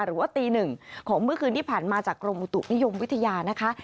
หรือว่าตีหนึ่งของเมื่อคืนที่ผ่านมาจากกรมอุตุนิยมวิทยานะคะ